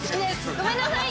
ごめんなさい！